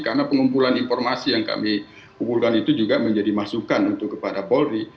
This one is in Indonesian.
karena pengumpulan informasi yang kami kumpulkan itu juga menjadi masukan untuk kepada poldi